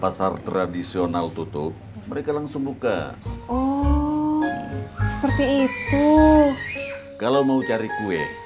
assalamualaikum pak e